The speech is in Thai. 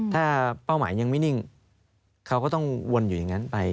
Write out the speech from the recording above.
ถ้าเป้าหมายยังไม่นิ่งเขาก็ต้องวนอยู่อย่างนั้นไป